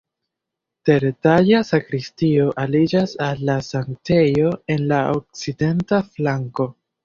Teretaĝa sakristio aliĝas al la sanktejo en la okcidenta flanko.